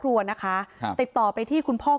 คือแตกต่างกันชัดมากแต่มีปัญหาเรื่องของการสลับศพกันเนี่ยค่ะ